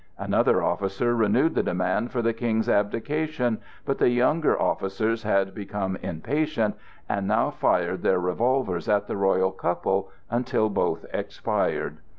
Another officer renewed the demand for the King's abdication; but the younger officers had become impatient and now fired their revolvers at the royal couple until both expired.